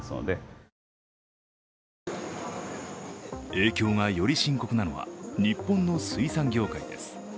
影響がより深刻なのは日本の水産業界です。